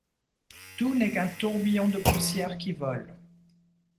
Tout n’est qu’un tourbillon de poussière qui vole.